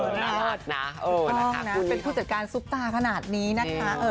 เออน่ารักนะเป็นผู้จัดการซุปตาขนาดนี้นะคะ